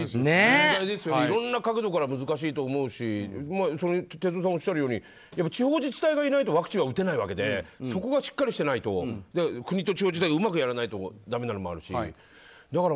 いろんな角度から難しいと思うし哲夫さんがおっしゃるように地方自治体がいないとワクチンは打てないわけでそこがしっかりしていないと国と地方自治体がうまくやらないとだめなのもあるし